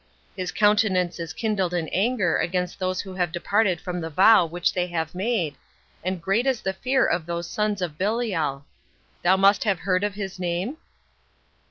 His countenance is kindled in anger against those who have departed from the vow which they have made, and great is the fear of those sons of Belial. Thou must have heard of his name?"